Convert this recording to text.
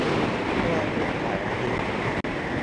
ทั่วทุกสารทิศ